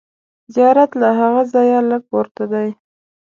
زیارت له هغه ځایه لږ پورته دی.